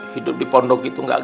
hidup di pondok itu gak ada